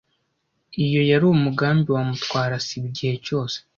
Iyo yari umugambi wa Mutwara sibo igihe cyose.